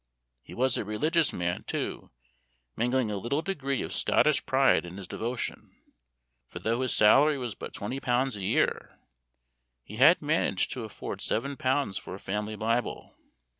He was a religious man, too, mingling a little degree of Scottish pride in his devotion; for though his salary was but twenty pounds a year, he had managed to afford seven pounds for a family Bible.